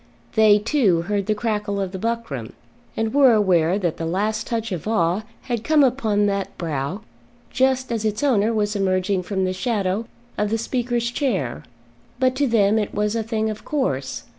They, too, heard the crackle of the buckram, and were aware that the last touch of awe had come upon that brow just as its owner was emerging from the shadow of the Speaker's chair; but to them it was a thing of course.